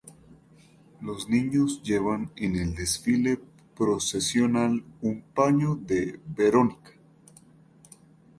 Los niños llevan en el desfile procesional un paño de Verónica.